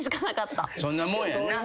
そんなもんやな。